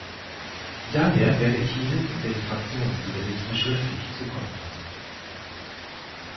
Daher werde ich Ihnen und den Fraktionen diese Liste schriftlich zukommen lassen.